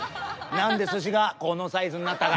なんですしがこのサイズになったか。